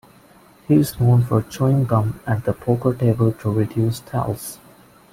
He is known for chewing gum at the poker table to reduce tells.